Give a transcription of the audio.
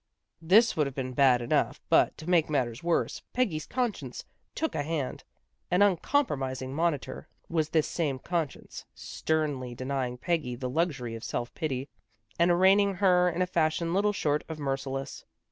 This would have been bad enough, but, to make matters worse, Peggy's conscience took a hand. An uncompromising monitor was this 262 THE GIRLS OF FRIENDLY TERRACE same conscience, sternly denying Peggy the luxury of self pity, and arraigning her in a fashion little short of merciless.